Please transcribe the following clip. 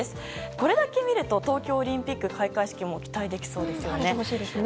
これだけ見ると東京オリンピック開会式も期待できそうですよね。